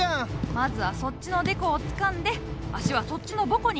まずはそっちのデコをつかんで足はそっちのボコに。